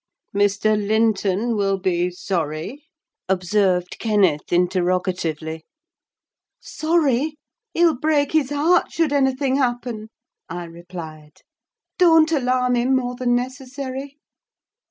"Mr. Linton will be sorry?" observed Kenneth, interrogatively. "Sorry? he'll break his heart should anything happen!" I replied. "Don't alarm him more than necessary."